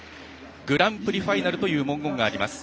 グランプリファイナルという文言があります。